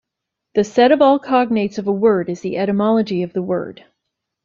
The set of all cognates of a word is the etymology of the word.